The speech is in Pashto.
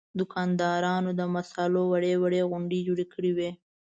دوکاندارانو د مصالحو وړې وړې غونډۍ جوړې کړې وې.